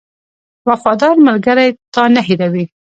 • وفادار ملګری تا نه هېروي.